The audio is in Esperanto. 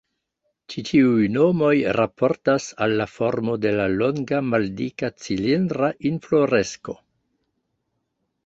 Ĉi tiuj nomoj raportas al la formo de la longa, maldika, cilindra infloresko.